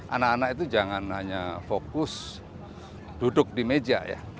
anak anak itu jangan hanya fokus duduk di meja ya